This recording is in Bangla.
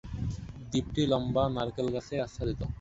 দ্বীপটি লম্বা নারকেল গাছে আচ্ছাদিত।